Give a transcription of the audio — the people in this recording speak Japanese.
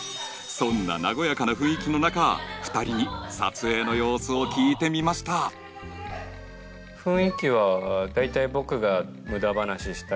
そんな和やかな雰囲気の中２人に撮影の様子を聞いてみましたフフフフ